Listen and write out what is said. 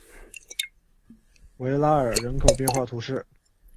维拉尔人口变化图示